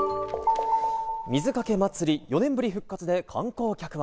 水かけ祭り、４年ぶり復活で観光客は。